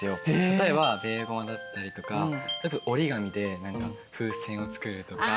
例えばベーゴマだったりとか折り紙で風船を作るとか。